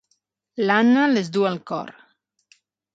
L'Anna les du al cor.